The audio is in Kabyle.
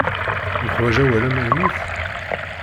Neḥwaǧ awal amaynut?